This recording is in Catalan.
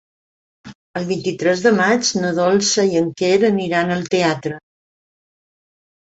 El vint-i-tres de maig na Dolça i en Quer aniran al teatre.